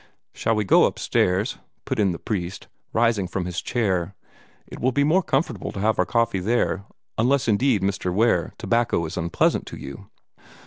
"Shall we go upstairs?" put in the priest, rising from his chair. "It will be more comfortable to have our coffee there unless indeed, Mr. Ware, tobacco is unpleasant to you?"